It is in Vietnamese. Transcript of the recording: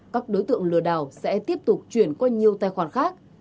các đối tượng lừa đảo sẽ tiếp tục chuyển qua nhiều tài khoản khác